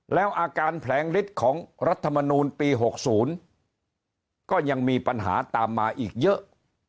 แล้วอาการแผลงฤทธิ์ของรัฐมนูลปี๖๐ก็ยังมีปัญหาตามมาอีกเยอะ